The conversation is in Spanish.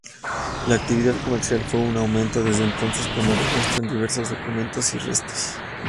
La actividad comercial fue en aumento desde entonces, como demuestran diversos documentos y restos.